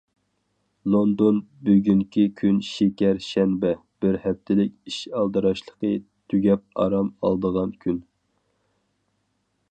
لوندون بۈگۈنكى كۈن شېكەر شەنبە، بىر ھەپتىلىك ئىش ئالدىراشلىقى تۈگەپ ئارام ئالىدىغان كۈن.